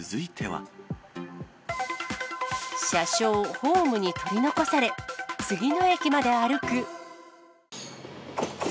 車掌、ホームに取り残され、次の駅まで歩く。